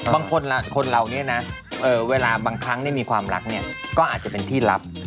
คนเราเนี่ยนะเวลาบางครั้งมีความรักเนี่ยก็อาจจะเป็นที่ลับ